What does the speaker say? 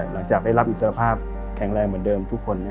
หลังจากได้รับอิสระภาพแข็งแรงเมื่อเดิม